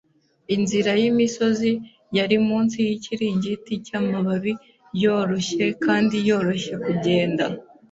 Inzira y'imisozi yari munsi yikiringiti cyamababi, yoroshye kandi yoroshye kugenda.